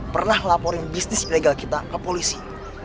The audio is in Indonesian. pernah laporin bisnis ilegal kita ke polisi